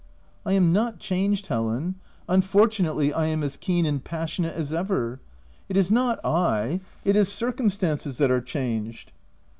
'*" I am not changed, Helen — unfortunately I am as keen and passionate as ever — it is not I, it is circumstances that are changed."